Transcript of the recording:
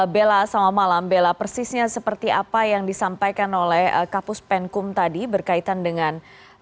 bella selamat malam bella persisnya seperti apa yang disampaikan oleh kapus penkum tadi berkaitan dengan